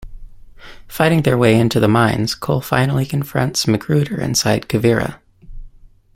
Fighting their way into the mines, Cole finally confronts Magruder inside Quivira.